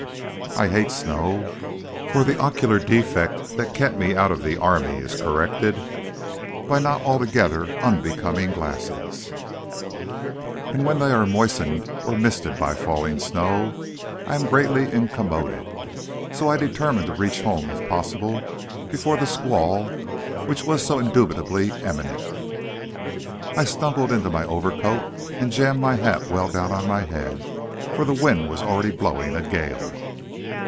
I hate snow. For the ocular defect that kept me out of the army is corrected by not altogether unbecoming glasses, but when these are moistened or misted by falling snow, I am greatly incommoded. So I determined to reach home, if possible, before the squall which was so indubitably imminent. I snugged into my overcoat, and jammed my hat well down on my head, for the wind was already blowing a gale.